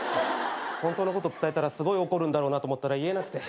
ホントのこと伝えたらすごい怒るんだろうなと思ったら言えなくて。